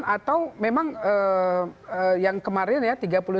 lima puluh delapan atau memang yang kemarin ya tiga puluh sembilan